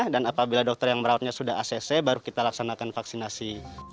dan apabila dokter yang merawatnya sudah acc baru kita laksanakan vaksinasi